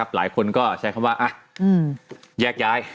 หลายคนก็ใช้คำว่าแยกย้าย